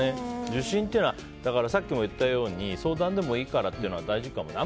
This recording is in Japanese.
受診は、さっきも言ったように相談でもいいからっていうのは大事かもね。